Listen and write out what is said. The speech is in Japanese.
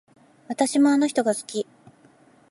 私もあの人が好き